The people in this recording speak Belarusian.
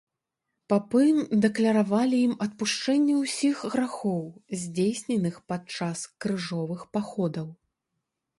Папы дакляравалі ім адпушчэнне ўсіх грахоў, здзейсненых пад час крыжовых паходаў.